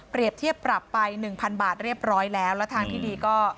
เปรียบเทียบปรับไปหนึ่งพันบาทเรียบร้อยแล้วแล้วทางที่ดีก็